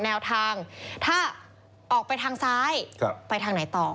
แนวทางถ้าออกไปทางซ้ายไปทางไหนต่อ